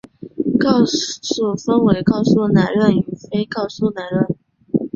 告诉分为告诉乃论与非告诉乃论。